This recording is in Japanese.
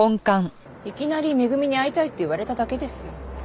いきなり恵に会いたいって言われただけですよ。